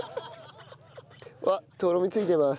わっとろみついてます。